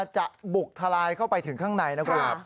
จะบุกทลายเข้าไปถึงข้างในนะครับ